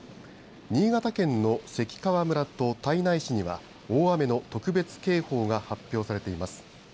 新潟県の関川村と胎内市には大雨の特別警報が発表されています。